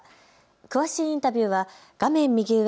詳しいインタビューは画面右上